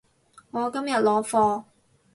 我今日攞貨